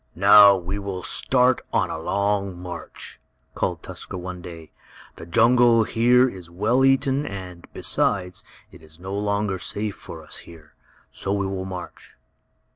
"Now we will start on a long march!" called Tusker one day. "The jungle here is well eaten, and, besides, it is no longer safe for us here. So we will march."